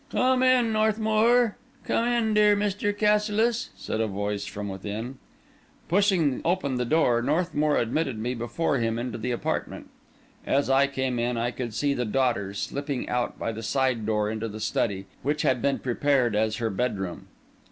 "Come in, Northmour; come in, dear Mr. Cassilis," said a voice from within. Pushing open the door, Northmour admitted me before him into the apartment. As I came in I could see the daughter slipping out by the side door into the study, which had been prepared as her bedroom.